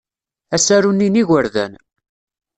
Asaru-nni n yigerdan.